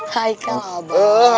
hai kan abah